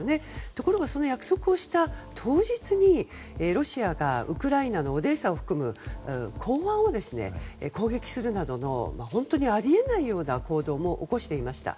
ところが約束をした当日にロシアがウクライナのオデーサを含む港湾を攻撃するなどのあり得ないような行動も起こしていました。